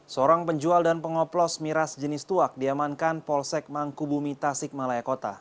seorang penjual dan pengoplos miras jenis tuak diamankan polsek mangkubu mita sikmalaya kota